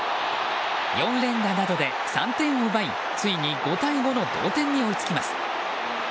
４連打などで３点を奪い、ついに５対５の同点に追いつきます。